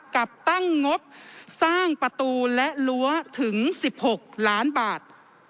กับตั้งงบสร้างประตูและรั้วถึง๑๖ล้านบาท